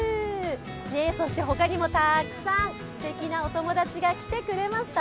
そして、ほかにもたくさんすてきなお友達が来てくれました。